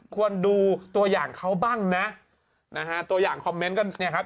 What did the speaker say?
ควรดูตัวอย่างเขาบ้างนะนะฮะตัวอย่างคอมเมนต์ก็เนี่ยครับ